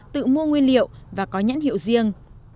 tự mua nguyên liệu và có nhãn hiệu riêng